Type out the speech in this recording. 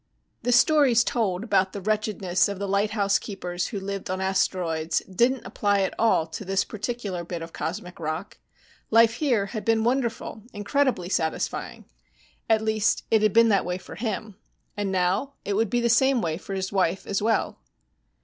The stories told about the wretchedness of the lighthouse keepers who lived on asteroids didn't apply at all to this particular bit of cosmic rock. Life here had been wonderful, incredibly satisfying. At least it had been that way for him. And now it would be the same way for his wife as well.